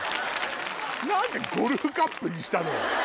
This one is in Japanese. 何でゴルフカップにしたのよ？